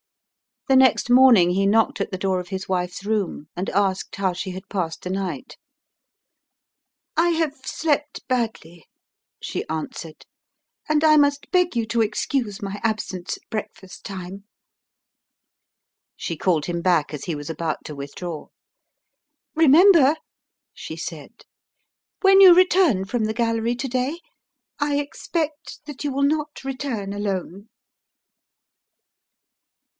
The next morning he knocked at the door of his wife's room, and asked how she had passed the night. "I have slept badly," she answered, "and I must beg you to excuse my absence at breakfast time." She called him back as he was about to withdraw. "Remember," she said, "when you return from the gallery to day I expect that you will not return alone."